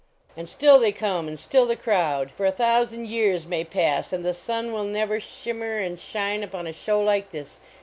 And still they come and still they crowd ! For a thousand years may pa>< and the sun will never shimmer and .shine upon a show like this.